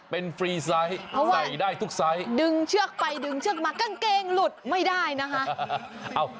เพราะว่าดึงเชือกไปดึงเชือกมากางเกงหลุดไม่ได้นะคะ